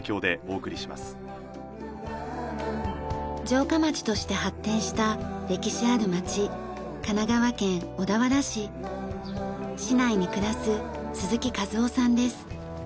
城下町として発展した歴史ある町市内に暮らす鈴木一雄さんです。